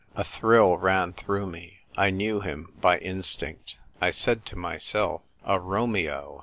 A thrill ran through me. I knew him as by instinct. I said to myself, " A Romeo